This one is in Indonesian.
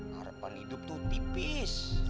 harapan hidup tuh tipis